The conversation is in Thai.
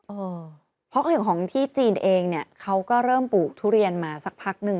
เพราะอย่างของที่จีนเองเนี่ยเขาก็เริ่มปลูกทุเรียนมาสักพักหนึ่ง